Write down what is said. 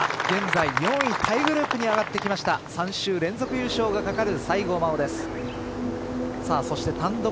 現在４位タイグループに上がってきました３週連続優勝がかかる西郷真央です。